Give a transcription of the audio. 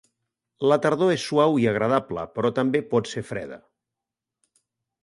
La tardor és suau i agradable, però també pot ser freda.